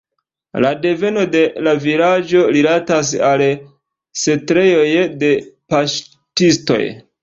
La deveno de la vilaĝo rilatas al setlejoj de paŝtistoj.